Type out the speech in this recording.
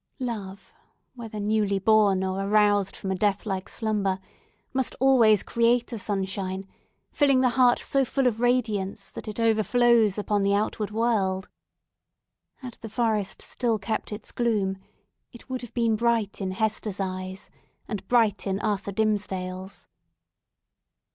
Love, whether newly born, or aroused from a death like slumber, must always create a sunshine, filling the heart so full of radiance, that it overflows upon the outward world. Had the forest still kept its gloom, it would have been bright in Hester's eyes, and bright in Arthur Dimmesdale's!